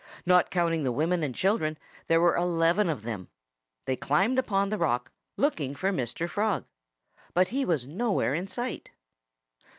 Not counting the women and children, there were eleven of them. They climbed upon the rock, looking for Mr. Frog. But he was nowhere in sight.